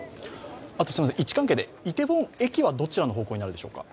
位置関係で、イテウォン駅はどちらの方向になるでしょうか？